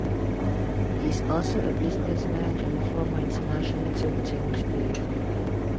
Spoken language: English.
He is also a businessman and a former international table tennis player.